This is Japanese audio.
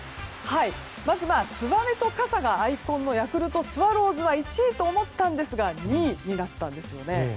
まずはツバメと傘がアイコンのヤクルトスワローズは１位と思ったんですが２位となったんですね。